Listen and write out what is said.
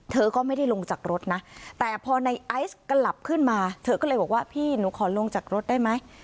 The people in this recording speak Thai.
เธอก็ไม่ได้ลงจากรถนะแต่พอในไอซ์กลับขึ้นมาเธอก็เลยบอกว่าพี่หนูขอลงจากรถได้ไหม